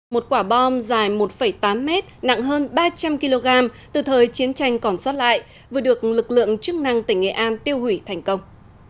một quả bom dài một tám mét nặng hơn ba trăm linh kg từ thời chiến tranh còn xót lại vừa được lực lượng chức năng tỉnh nghệ an tiêu hủy thành công